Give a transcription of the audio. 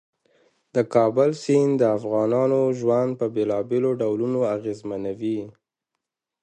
د کابل سیند د افغانانو ژوند په بېلابېلو ډولونو اغېزمنوي.